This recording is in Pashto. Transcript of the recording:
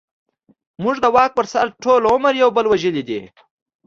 موږ د واک پر سر ټول عمر يو بل وژلې دي.